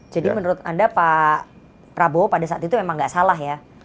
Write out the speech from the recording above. jadi menurut anda pak prabowo pada saat itu enggak salah ya